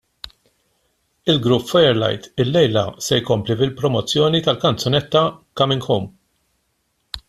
Il-grupp Firelight illejla se jkompli bil-promozzjoni tal-kanzunetta Coming Home.